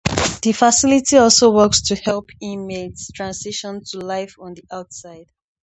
The facility also works to help inmates transition to life on the outside.